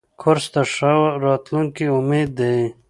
کورس د ښه راتلونکي امید دی.